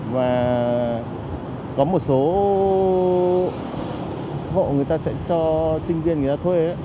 và có một số hộ người ta sẽ cho sinh viên người ta thuê